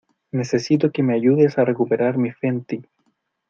necesito que me ayudes a recuperar mi fe en ti.